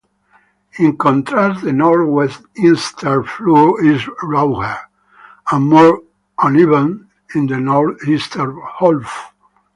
In contrast the northeastern floor is rougher and more uneven in the northeastern half.